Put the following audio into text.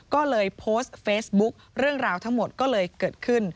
ก็เลยโพสต์เฟซบุ๊คเรื่องราวทั้งหมดก็เลยเกิดขึ้น